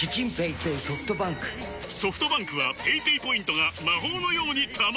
ソフトバンクはペイペイポイントが魔法のように貯まる！